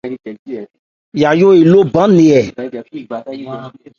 Yayó eló bán nne ɛ.